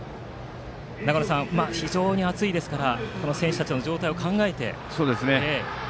長野さん、非常に暑いですから選手たちの状態を考えてですね。